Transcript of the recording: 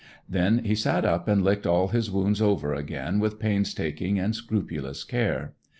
Then he sat up and licked all his wounds over again with painstaking and scrupulous care.